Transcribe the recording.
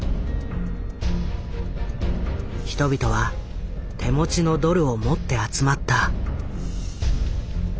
人々は手持ちのドルを持って集まった。